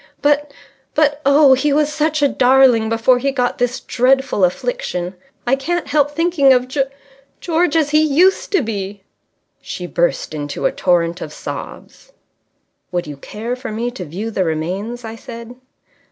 But but oh, he was such a darling before he got this dreadful affliction. I can't help thinking of G George as he used to be." She burst into a torrent of sobs. "Would you care for me to view the remains?" I said.